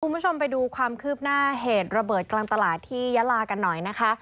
คุณผู้ชมไปดูความคืบหน้าเหตุระเบิดกลางตลาดที่ยาลากันหน่อยนะคะ